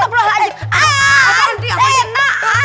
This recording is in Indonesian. menyiap menyiap menyiap